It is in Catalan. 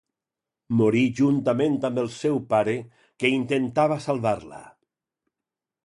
Morí juntament amb el seu pare, que intentava salvar-la.